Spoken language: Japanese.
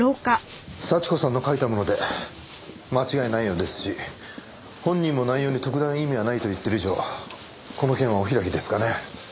幸子さんの書いたもので間違いないようですし本人も内容に特段意味はないと言ってる以上この件はおひらきですかね。